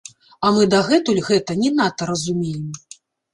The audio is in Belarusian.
А мы дагэтуль гэта не надта разумеем.